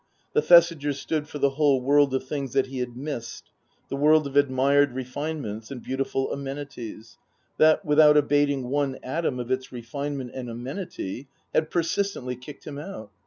The Thesigers stood for the whole world of things that he had missed, the world of admired refinements and beautiful amenities, that, without abating one atom of its refinement and amenity, had persistently kicked him out.